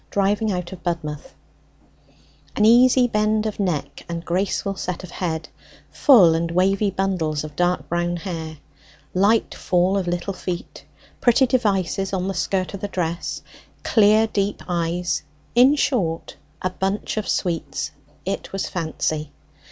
DRIVING OUT OF BUDMOUTH An easy bend of neck and graceful set of head; full and wavy bundles of dark brown hair; light fall of little feet; pretty devices on the skirt of the dress; clear deep eyes; in short, a bunch of sweets: it was Fancy!